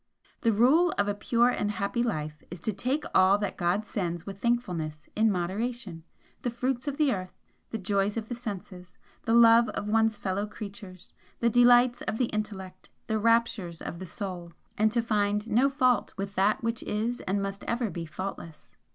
The rule of a pure and happy life is to take all that God sends with thankfulness in moderation the fruits of the earth, the joys of the senses, the love of one's fellow creatures, the delights of the intellect, the raptures of the soul; and to find no fault with that which is and must ever be faultless.